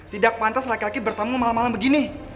tidak pantas laki laki bertemu malam malam begini